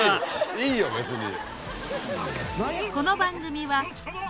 いいよ別に。